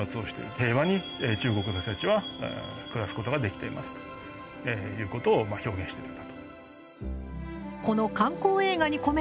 平和に中国の人たちは暮らすことができていますということを表現してるんだと。